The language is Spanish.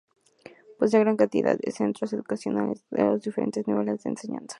Posee gran cantidad de centros educacionales de los diferentes niveles de enseñanza.